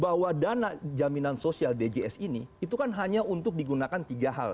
bahwa dana jaminan sosial djs ini itu kan hanya untuk digunakan tiga hal